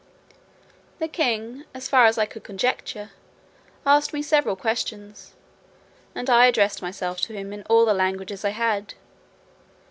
The king, as far as I could conjecture, asked me several questions, and I addressed myself to him in all the languages I had.